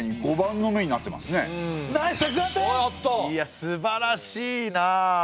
いやすばらしいなあ。